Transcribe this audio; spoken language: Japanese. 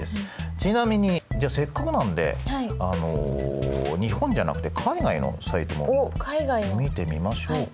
ちなみにじゃあせっかくなんで日本じゃなくて海外のサイトも見てみましょうか。